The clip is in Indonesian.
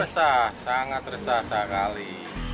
resah sangat resah sekali